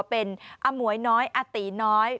เป็นอมวยน้อยอาตีน้อย